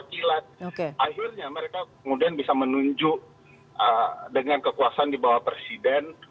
akhirnya mereka kemudian bisa menunjuk dengan kekuasaan di bawah presiden